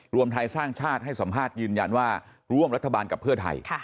รวมไทยสร้างชาติให้สัมภาษณ์ยืนยันว่าร่วมรัฐบาลกับเพื่อไทย